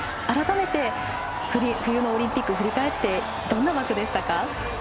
改めて、冬のオリンピック振り返ってどんな場所でしたか？